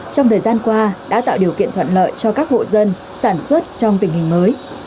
trong thời gian qua đã tạo điều kiện thuận lợi cho các hộ dân sản xuất trong tình hình mới